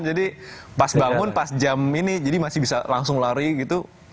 jadi pas bangun pas jam ini jadi masih bisa langsung lari gitu